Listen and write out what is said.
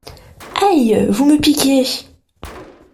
Aïe ! vous me piquez !